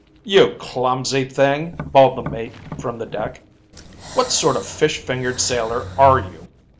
'You clumsy thing' bawled the mate from the deck. 'What sort of fish fingered sailor, are you?'